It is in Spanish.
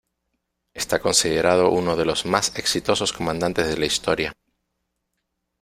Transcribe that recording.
Está considerado uno de los más exitosos comandantes de la historia.